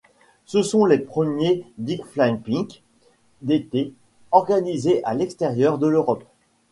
Ce sont les premiers Deaflympics d'été organisés à l'extérieur de l'Europe.